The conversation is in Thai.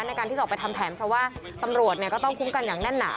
ในการที่จะออกไปทำแผนเพราะว่าตำรวจก็ต้องคุ้มกันอย่างแน่นหนา